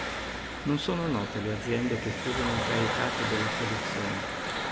Non sono note le aziende che furono incaricate della produzione.